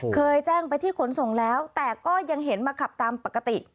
เคยแจ้งไปที่ขนส่งแล้วแต่ก็ยังเห็นมาขับตามปกติ